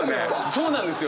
そうなんですよ！